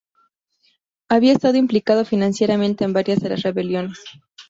Había estado implicado financieramente en varias de las rebeliones.